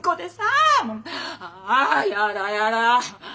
あやだやだ。